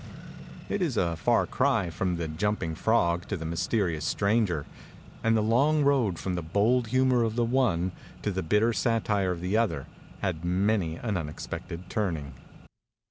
It is a far cry from the * Jump ing Frog' to the 'Mysterious Stranger'; and the long road from the bold humor of the one to the bitter si tire of the other had many an un expected turning.